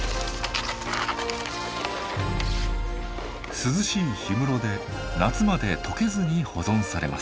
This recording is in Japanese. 涼しい氷室で夏まで解けずに保存されます。